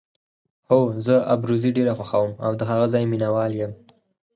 هو، زه ابروزي ډېره خوښوم او د هغه ځای مینه وال یم.